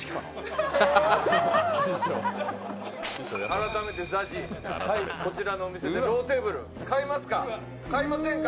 改めてＺＡＺＹ、こちらのお店でローテーブル、買いますか、買いませんか？